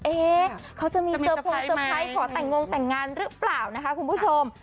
เอ๊ะเขาจะมีเซอร์โพงเตอร์ไพรส์ขอแต่งงแต่งงานหรือเปล่านะคะคุณผู้ชม